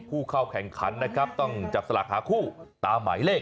ผู้เข้าแข่งขันนะครับต้องจับสลากหาคู่ตามหมายเลข